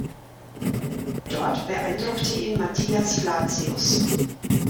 Dort beeindruckte ihn Matthias Flacius.